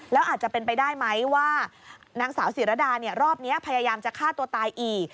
แล้วอาจจะเป็นไปได้ไหมว่านางสาวศิรดารอบนี้พยายามจะฆ่าตัวตายอีก